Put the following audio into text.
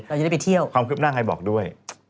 เราจะได้ไปเที่ยวความคิดขึ้นหน้าให้บอกด้วย